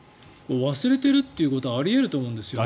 忘れてるということはあり得ると思いますね。